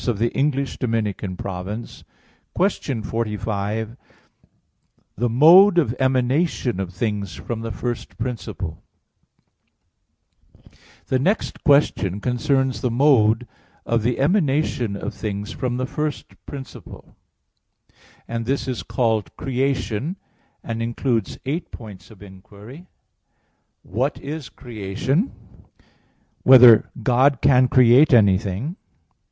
_______________________ QUESTION 45 THE MODE OF EMANATION OF THINGS FROM THE FIRST PRINCIPLE (In Eight Articles) The next question concerns the mode of the emanation of things from the First Principle, and this is called creation, and includes eight points of inquiry: (1) What is creation? (2) Whether God can create anything?